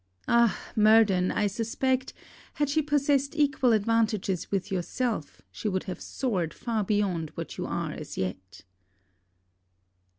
Ah, Murden, I suspect, had she possessed equal advantages with yourself, she would have soared far beyond what you are as yet!